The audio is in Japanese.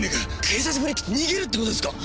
警察振り切って逃げるってことですか？